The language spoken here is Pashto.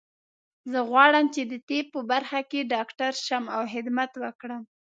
زه غواړم چې د طب په برخه کې ډاکټر شم او خدمت وکړم